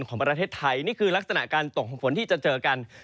ของประเทศไทยนี่คือลักษณะการตกของฝนที่จะเจอกัน